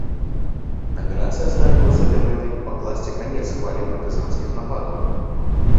Аперацыя ставіла сабе мэтай пакласці канец хвалі партызанскіх нападаў.